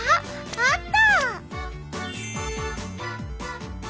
あった。